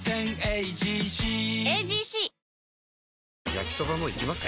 焼きソバもいきます？